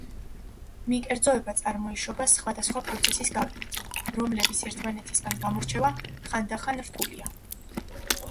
მიკერძოება წარმოიშობა სხვადასხვა პროცესის გავლენით, რომლების ერთმანეთისგან გამორჩევა ხანდახან რთულია.